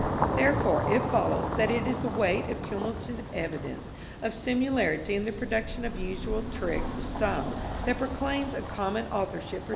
Therefore, it follows that it is the weight of cumulative evidence of similarity in the production of unusual tricks of style that proclaims a common authorship for two apparently different writings.